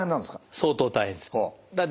相当大変です。